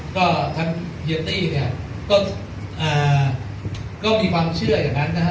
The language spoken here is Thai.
ก็ทั้งเฮียตี้เนี่ยก็มีความเชื่ออย่างนั้นนะฮะ